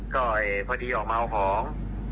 ก็พอดีออกมาเอาของ